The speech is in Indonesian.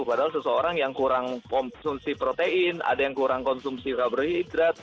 padahal seseorang yang kurang konsumsi protein ada yang kurang konsumsi karbohidrat